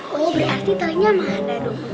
oh berarti tariknya mana dong